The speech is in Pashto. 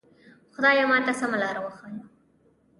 خدایه ماته سمه لاره وښیه.